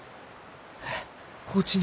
えっ高知に？